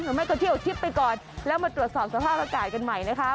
ไม่ก็เที่ยวทิพย์ไปก่อนแล้วมาตรวจสอบสภาพอากาศกันใหม่นะคะ